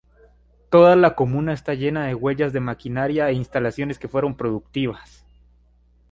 Toda la comuna está llena de huellas de maquinaria e instalaciones que fueron productivas.